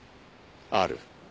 ある？